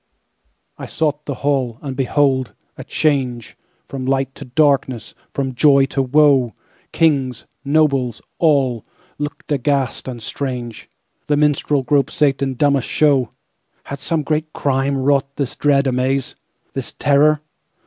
I sought the hall, And behold!—a changeFrom light to darkness, from joy to woe! Kings, nobles, all, Looked aghast and strange; The minstrel group sate in dumbest show! Had some great crimeWrought this dread amaze, This terror?